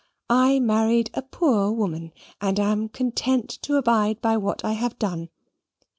I married a poor woman, and am content to abide by what I have done.